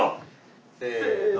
せの。